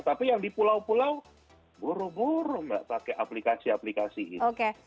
tapi yang di pulau pulau buru buru mbak pakai aplikasi aplikasi ini